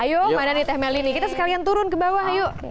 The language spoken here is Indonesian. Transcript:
ayo mana nih teh meli nih kita sekalian turun ke bawah yuk